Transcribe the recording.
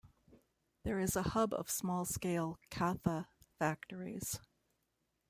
There is a hub of small scale Katha factories.